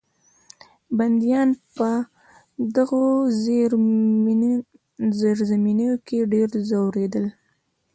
بندیان به په دغو زیرزمینیو کې ډېر ځورېدل.